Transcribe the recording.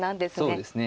そうですね。